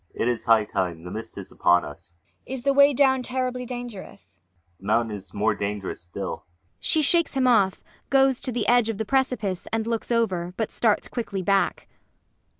] It is high time! The mist is upon us! MAIA. Is the way down terribly dangerous? ULFHEIM. The mountain is more dangerous still. [She shakes him off, goes to the edge of the precipice and looks over, but starts quickly back.